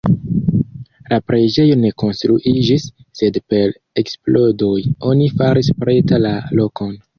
La preĝejo ne konstruiĝis, sed per eksplodoj oni faris preta la lokon.